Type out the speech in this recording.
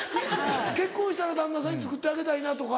結婚したら旦那さんに作ってあげたいなとか。